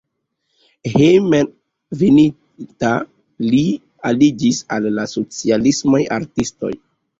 Hejmenveninta li aliĝis al la socialismaj artistoj.